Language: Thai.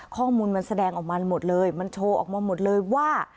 ข้อมูลมันแสดงออกมาหมดเลยมันโชว์ออกมาหมดเลยว่า